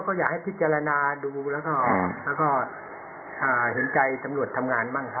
ก็อยากให้พิจารณาดูแล้วก็เห็นใจตำรวจทำงานบ้างครับ